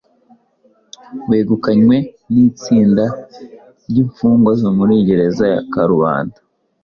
wegukanywe n'itsinda ry'imfungwa zo muri gereza ya Karubanda.